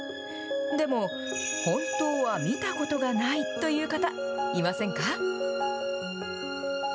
でも、本当は見たことがないという方、いませんか？